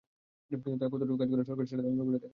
কিন্তু তারা কতটুকু কাজ করছে, সরকার সেটা তদন্ত করে দেখে না।